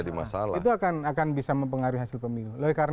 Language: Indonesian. ternyata kan akan bisa mempengaruhi hasil pembingung